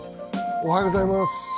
おはようございます。